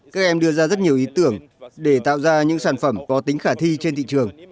các em đưa ra rất nhiều ý tưởng để tạo ra những sản phẩm có tính khả thi trên thị trường